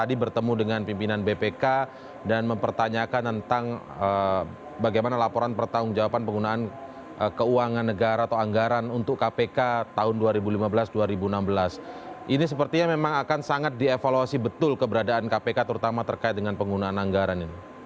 ini sepertinya memang akan sangat dievaluasi betul keberadaan kpk terutama terkait dengan penggunaan anggaran ini